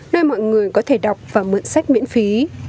nơi mọi người có thể đọc và mượn sách miễn phí